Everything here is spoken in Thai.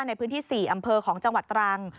ในพื้นที่๔อำเภอของจังหวัดตรัง